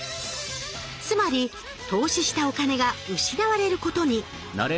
つまり投資したお金が失われることに。